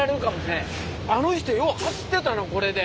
あの人よう走ってたなこれで。